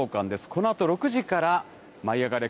このあと６時から、舞いあがれ！